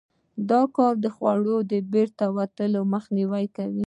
دا کار د خوړو د بیرته وتلو مخنیوی کوي.